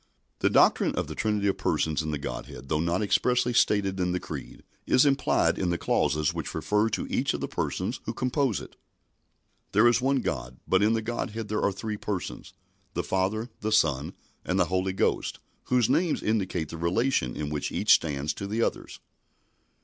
The doctrine of the Trinity of Persons in the God head, though not expressly stared in the Creed, is implied in the clauses which refer to each of the Persons who compose it. There is one God, but in the Godhead there are three Persons, the Father, the Son, and the Holy Ghost, whose names indicate the relation in which each stands to the others.